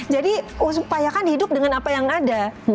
jadi supaya kan hidup dengan apa yang ada